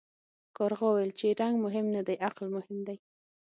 کارغه وویل چې رنګ مهم نه دی عقل مهم دی.